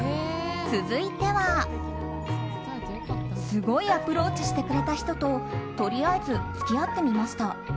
続いてはすごいアプローチしてくれた人ととりあえず付き合ってみました。